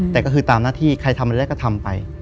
แต่ก็คือตามหน้าที่ใครทำอันแรกก็ทำไป